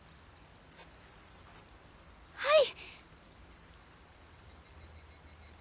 はい！